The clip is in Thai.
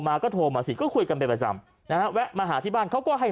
มาก็โทรมาสิก็คุยกันเป็นประจำนะฮะแวะมาหาที่บ้านเขาก็ให้